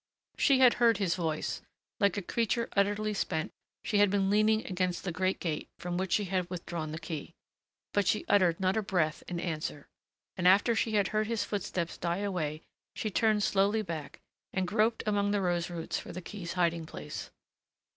She had heard his voice. Like a creature utterly spent, she had been leaning against the great gate from which she had withdrawn the key. But she uttered not a breath in answer, and after she had heard his footsteps die away she turned slowly back and groped among the rose roots for the key's hiding place.